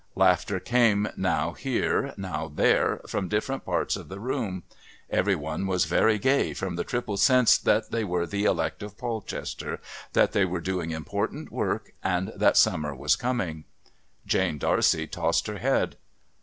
Laughter came, now here, now there, from different parts of the room. Every one was very gay from the triple sense that they were the elect of Polchester, that they were doing important work, and that summer was coming. Jane D'Arcy tossed her head.